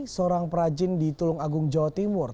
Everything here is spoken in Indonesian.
seorang perajin di tulung agung jawa timur